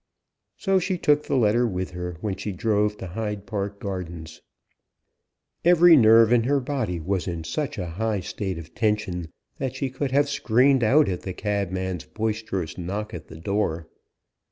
So she took the letter with her when she drove to Hyde Park Gardens. Every nerve in her body was in such a high state of tension that she could have screamed out at the cabman's boisterous knock at the door.